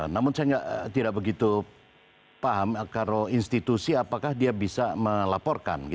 namun saya tidak begitu paham kalau institusi apakah dia bisa melaporkan